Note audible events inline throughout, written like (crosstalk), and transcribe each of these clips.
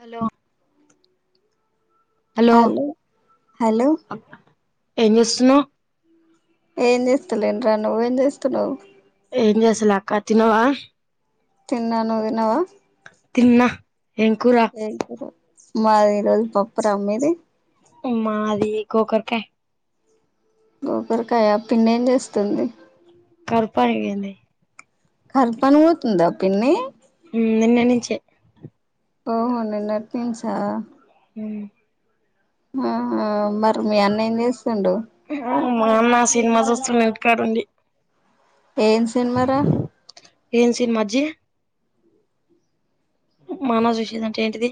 Hello hello hello hello ఏం చేస్తున్నావ్. ఏం చేస్తాలేనురా నువ్వేం చేస్తున్నావు. ఏం చేస్తలే అక్క తిన్నవా. తిన్నా నువ్వు తిన్నావా. తిన్న మాది ఈరోజు పప్పు రా మీది. మా అది గోక కాయ్. గోకరకాయ పిన్ని ఏం చేస్తు ఉంది. కరుపు ఆయ పెయిన్ది. కన్ఫాంగ్ గ పోతుందా పిన్ని నిన్న నుంచే ఓహో నిన్ నేప్పించారా ఉ ఆ అ మరి మీ అన్న ఏచేస్తు ఉండు మా అన్న సినిమా చూస్తుండుఇంటికాడఉండి ఏం సినిమార ఏం సినిమా అజ్జి మా అన్న జూషేదే ఏంటిది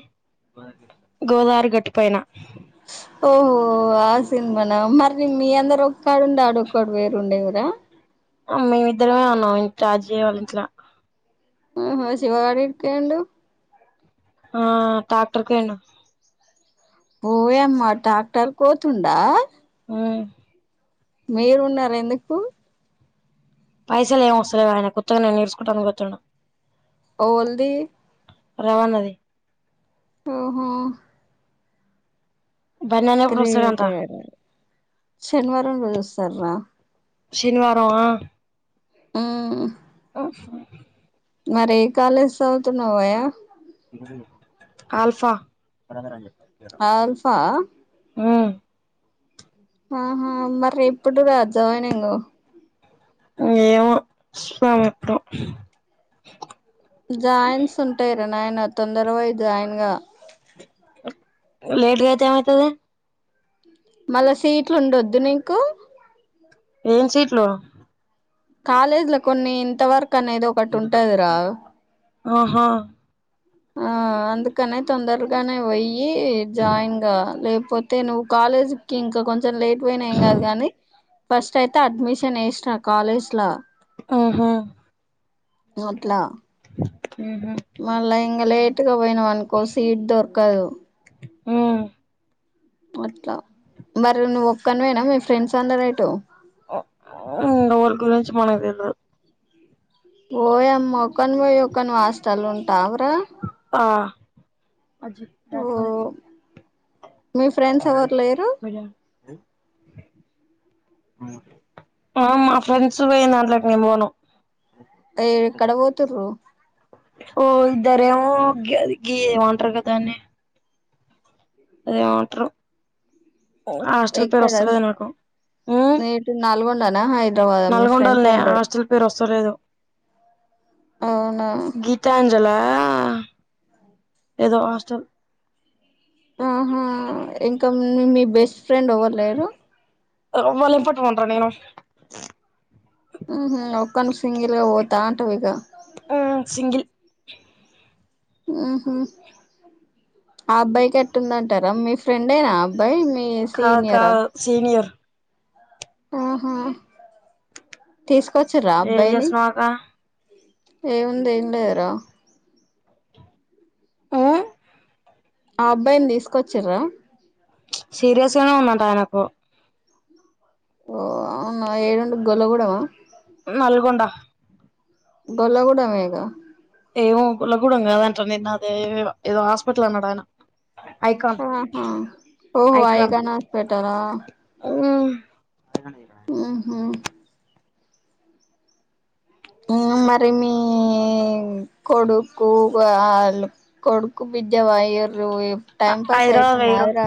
గోదావరి గట్టు పైన ఓహో ఆ సినిమాన మరి మీ అందరు ఒక్కడు ఉండే ఆడు ఒక్కడు వేరు వుండేవుగ మేమిద్దరమే ఉన్నాం ఇం రాజీవాలి ఇంట్లా ఆహ శివగాడడెక్క వుండు ఆ ట్రాక్టర్ కి అయిన ఓ యామ్మ డాక్టర్ కోతుండా ఆ మీరు ఉన్నారు ఎందుకు పైసలు ఏం వస్తల్లేవు ఆయన కొత్తగానే నేర్చుకుంటానికి పోతున్నా ఓవల్ది రవాన్నది ఓహో బన్నీ అన్న ఎప్పుడు వస్తాడంట గ్రేటె శనివారం రోజూ ఒస్తారు రా శనివారం ఆ ఆ (inaudible) మరి ఏ కాలేజ్ చదువు తున్నావయ ఆల్ఫా ఆల్ఫా ఆ ఆహా మరి ఎప్పుడు రా జాయినింగు ఏమొ మా అమ్మ ఇష్టం జాయిన్స్ ఉంటాయి రా నాయన తొందరపోయి జాయిన్ గా లేటుగ అయితే ఏమైతది మళ్ళా సీట్లు ఉండొద్దు నీకు ఏం సీట్లు కాలేజీ లో కొన్ని ఇంతవరకు అనేది ఒకటి ఉంటదిరా ఆహా ఆ అందుకనే తొందరగానే పోయ్యి జాయిన్ గా లేపు పోతే నువ్వు కాలేజి కి ఇంకా కొంచెం లేట్ పోయినా ఏం కాదు కానీ ఫస్ట్ అయితే అడ్మిషన్ ఎసిర కాలేజ్ ల ఆహా గట్లా ఊహు మళ్ళా ఇంకా లేటుగా పోయినావు అనుకో సీట్ దొరకదు ఉమ్ అట్లా, మరి నువ్వు ఒక్కని వేనా మీ ఫ్రెండ్స్ అందరు ఎటు ఊ ఎవరి గురించి మనకు తెల్వదు ఓ యమ్మో ఒక్కనీవే పోయి ఒక్కనీవే హాస్టల్ ఉం టావూర ఆ ఓ మీ ఫ్రెండ్స్ ఎవరు లేరు ఆ మా ఫ్రెండ్స్ పోయనా దాంట్లో నేనే పోను ఏ ఎక్కడ పోతున్రు ఓ ఇద్దరేమో గది గి ఏమంటారూగా దాన్నీ అదేమో అంటారు హాస్టల్ పేరు ఎక్కడ వస్తలేద నాకు ఉమ్ తన హాయ్ నల్గొండలనే హాస్టల్ పేరు ఓస్తలేదు అవునా గీతం జల ఏదో హాస్టల్ ఆహా ఇంకా మీ మీ బెస్ట్ ఫ్రెండ్ ఎవ్వరు లేరు వల్లతోటే ఉంటా నేను ఉంహు ఒక్కను సింగిల్ గా పోతా అంటావు ఇగ ఆ సింగిల్ ఆహా ఆ అబ్బాయి కెట్టుందంటారా మీ ఫ్రెండ్ ఏనా ఆ అబ్బాయి మీ మీ కాదు సీనియర్ కాదు సీనియర్ ఆహా తీస్ ఎక్కొచ్చరా ఆ ఏం అబ్బాయిని చేస్తున్నావ్ అక్క ఏముంది ఏం లేదురా ఉమ్ ఆ అబ్బాయిని తీసుకోచిర్ర సీరియస్గానే ఉందంట ఆయనకు ఓ అవునా ఏ రెం గల్ల గూడామా నల్గోండ గల్లా గూడెం ఏ ఇగ ఏమో గల్లా గూడెం కాదంట నే నాదే అద ఏదో హాస్పిటల్ అన్నాడాయనా ఐకమ్ ఆహా ఓహో ఐక్రామ్ ఐకాన్ హాస్పిటలా ఉహు మీ మరి మీ కొడుకు వాళ్ళు కొడుకు బిడ్జ వయర్ లో ఇప్పు టైమ్ పాస్ హైదరాబాద్ యితు పోయిర్రు నాదిరా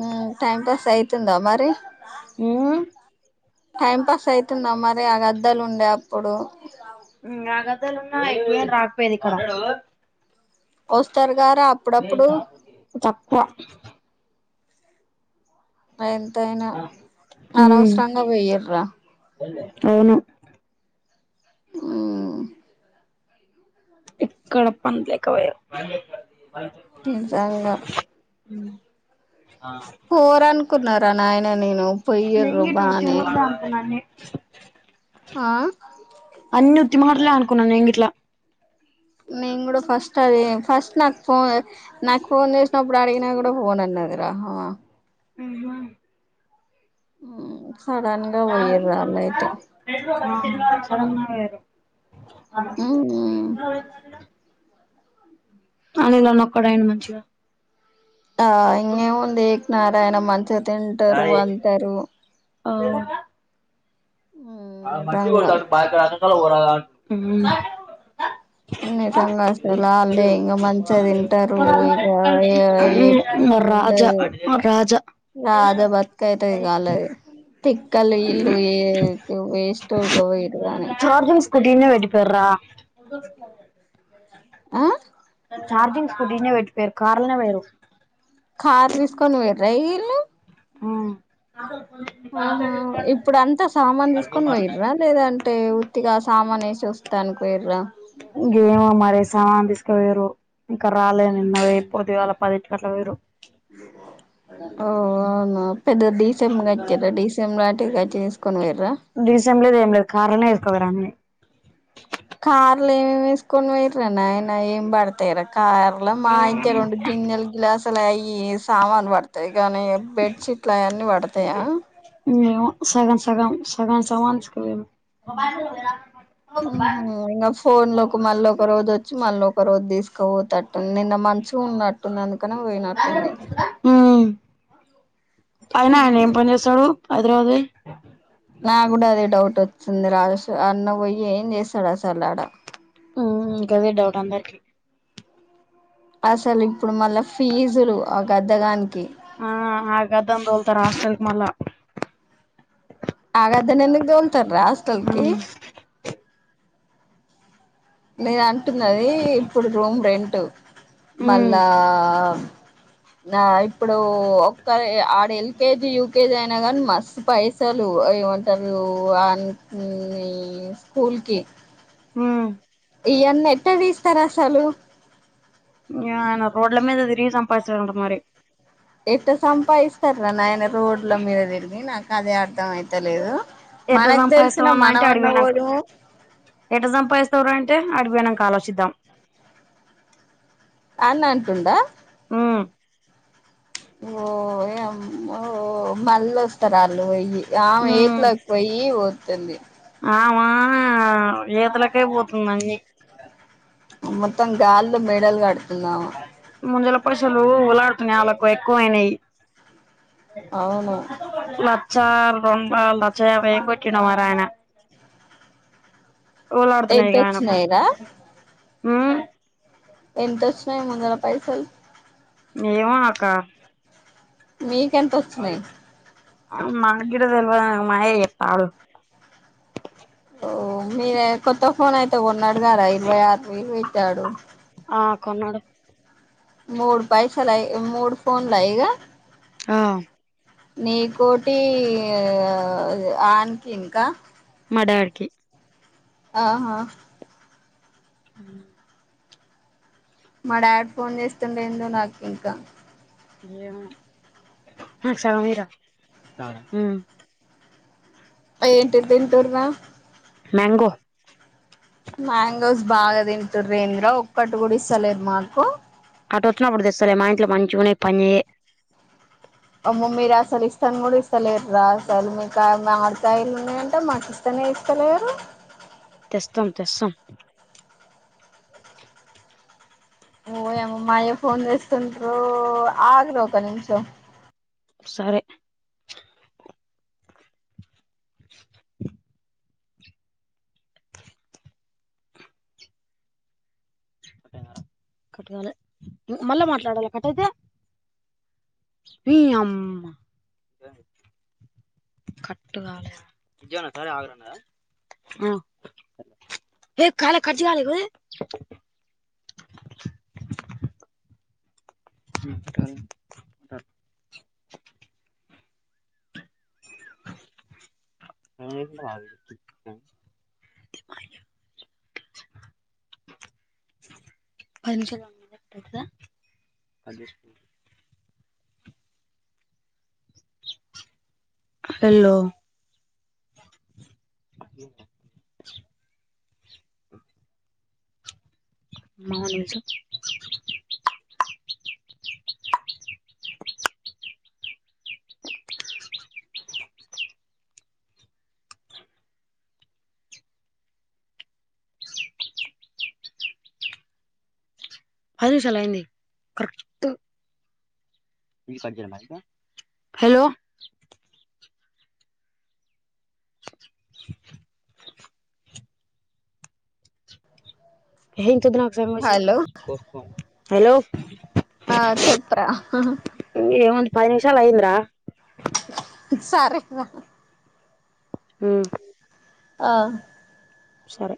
మ్ టైమ్ పాస్ అయితుంద ఆ మరి మ్ టైం పాస్ అయితుందా మరి ఆ గద్దాలు ఉండే అప్పుడు యా గద్దల్లునా ఇంకేం రాకపోయేది ఇక్కడ వస్తారు గారా అప్పుడప్పుడు తక్కువ ఎంతయినా ఉమ్ అనవసరంగా పోయిర్రా అవును మ్ ఎక్కడ పందలేక పోయార్ నిజంగా అ పోరనుకున్నార నాయన నేను నేను పొయ్యరు గిట్ల ఉత్తి బానే మాటలే అనుకున్నా అన్ని ఆ చిన్న హటలే అనుకున్నాను నేన్ గిట్లా నే నేను కూడా ఫస్ట్ అదే ఫస్ట్ నాకు ఫోన్ నాకు ఫోన్ చేసినప్పుడు అడిగినా కూడా పోన్ అన్నది రా హ ఆ ఆహా మ్ సడన్ గా పోయిర్రు ఆళ్ళు అయితే ఉమ్ (unintelligible) అనీదన్నక్కడయన మంచిగా ఆ ఇంగేముంది ఏకనారాయణ మంచిగా తింటారు పంటారు బా ఊ నిజంగా మ్ మ్ నిజంగా అసలు వాళ్ళే ఇంకా మంచిగా తింటారు ఇక ఏ ఏ మా రాజా రాజా అదే బ బతుకైతాది (unintelligible) తిక్కలు ఇల్లు ఏ వెస్ట్ (unintelligible) ఇటుగానే కుటీన్న వెట్టిపోర్రా ఆ చార్జింగ్ స్కూటీనే ఈడ్నే పెట్టి పోయారు కార్నేపోయారు కారు తీసుకొని పోయిండ్రా ఇళ్లు ఆ ఆహా ఇప్పుడు అంత సామాన్ తీసుకొని పోయిండ్ర లేదా అంటే ఉత్తిగా సామాన్ వేసి వస్తా అని (unintelligible) ఇంకేమో మరి సమాను తీసుకోపోయిరు ఇంకా రాలే నిన్న వేపోద్ది వాళ పదింటి (unintelligible) (unintelligible) ఓ అవునా పెద్ద డీసీఎం డడిసీఎం లాంటి (unintelligible) తీసుకొని పోయ్యిర్ర ఇంగ కారాన్న వెస్కో పోయ్యిర్ర అండి కార్లు ఏమేమి వేసుకొని పోయ్యిర నాయన ఏం పడతయ్ ర కార్ల మాఅయి తే రెండు గిన్నెలు గిలాస్లా ఈ సామాన్ పడ్ కానీ బెడ్షీట్లు అవన్నీ పడతాయ ఏమో (unintelligible) ఇంగ ఫోన్ లోకి మళ్ళ ఒక రోజు వచ్చి మళ్ళీ ఒక రోజు తీసుకపోతట్టుంది నిన్న మంచిగా ఉన్నట్టున్నటుంది పక్కన పోయినటుంది మ్ అయినా ఆయన ఏం ఉమ్ పని చేస్తాడు హైదరాబాద్ పొయ్ నాకు అదే డౌట్ వచ్చింది రాజ (unintelligible) అన్న పోయి ఏం చేసాడు అసలు ఆడ ఇంక అదే డౌట్ అందరికి అసలు ఇప్పుడు మళ్ళా ఫీజులు ఆ గద్దగానికి ఆ (unintelligible) ఆస్టెల్క్ మళ్ళ ఆ గద్దను ఎందుకు దోల్తరు రా హాస్టల్కి నేను అంటున్నది ఇప్పుడు రూమ్ రెంట్ ఉమ్ మళ్ళా నా ఇప్పుడు ఒక్క ఆడ ఎల్ కేజీ యూకేజీ అయినా గనీ మస్తు పైసలు అవిఏమంటారు అ స్కూల్ కి హు హు ఈ యన్ని ఎట్ట తీస్తారు అసలు రోడ్ల మీద తిరిగి సంపాదిస్తాడు అంట మరి (unintelligible) సంపాదిస్తారా ఆయన రోడ్ల మీద తిరిగి నాకు అదే అర్థం అయితలేదు ఎట మనకు తెలిసిన సంపాదిస్తావన్నా అంటే మనమన్న అడికిపోయినంక పోదుము ఏట సంపాదిస్తావురా అంటే అదికిపోయినంక ఆలోచిద్దాం అని అంటుంద ఆ ఓ యమ్మో మళ్ళ వస్తారు అళ్లు (unintelligible) ఆమె ఎయిట్లోకి పోయి వతుంది ఆమా (unintelligible) తులకే పోతుందండి మొత్తం గాల్లో మేడలు కడుతుంది ఆమె అసులు ఉల్లాట నాలకు ఎక్కువ అయినాయి అవును చార్ రొంపాల్ దచ్చా (unintelligible) వారయానా ఎంత ఓవలాడుతున్నారిగా ఆయనకు వచ్చినాయి రా ఉమ్ ఎంతోచ్చినాయి ముందుర పైసల్. ఏమో అక్క మీకెంతోచ్చిన్నాయి. మాక్ గిట్ట తెల్వదు మా అయ్యే చెప్తాడు. ఓ మీరే కొత్త ఫోన్ అయితే కొన్నాడు గదా, ఇరవై ఆరు వేలు పెట్టి ఆడు. ఆ కొన్నాడు. మూడు పైసాలై, మూడు ఫోన్ల ఇగా. ఆ నీకోటి, ఆన్కి ఇంకా మా డాడీ కి ఆహా ఉమ్ మా డాడ్ ఫోన్ చేస్తుండు ఏందో నాక్ ఇంకా. ఏమో ఏంటి తింటుర్రా. మ్యాంగో మ్యాంగోవ్స్ బాగా తింటుర్రు ఏందీరా, ఒక్కటి గుడా ఇస్తలేరు మాకు. అటు వచ్చినప్పుడు తెస్తలే, మా ఇంట్లో మంచిగున్నాయ్ పనిజెయ్యయ్. అమ్మో మీర్ అసల్ ఇస్తాన్ గుడా, ఇస్తలేర్ రా అసలు మీ (unintelligible) మడికాయలు ఉన్నాయంట, మాక్ ఇస్తనే ఇస్తలేరు. తెస్తం తెస్సం. ఓ యమ్మో మా అయ్య ఫోన్ చేస్తుండురో, ఆగరో ఒక నిమిషం. సరే కట్ కాలే, మళ్ళా మాట్లాడాల కట్ట అయితే. నీ యమ్ కట్ గాలే ఏ కాలే, కట్ కాలే (unintelligible) అ విఠల్ దా ఏం (inaudible) పంచదమా (unintelligible) హలో అ మా నెంతో అ పది నిమిషాల్ అయింది కరెక్ట్. హలో హలో హలో ఆ చెప్ ర్రా ఏముంది పది నిమిషాల్ అయింద్రా. సారే హ్మ్ ఆ సరే